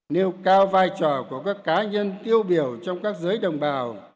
nêu cao vai trò của các cá nhân tiêu biểu trong các giới đồng bào